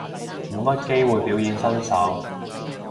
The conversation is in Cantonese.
冇乜機會表演身手